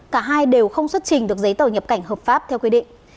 cả hai đều không xuất trình được giấy tờ nhập cảnh hợp pháp theo quy định